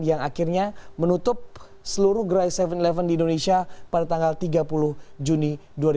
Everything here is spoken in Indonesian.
yang akhirnya menutup seluruh gerai tujuh sebelas di indonesia pada tanggal tiga puluh juni dua ribu dua puluh